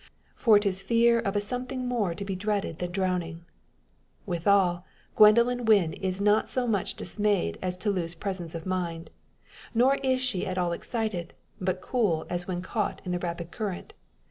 For it is fear of a something more to be dreaded than drowning. Withal, Gwendoline Wynn is not so much dismayed as to lose presence of mind. Nor is she at all excited, but cool as when caught in the rapid current.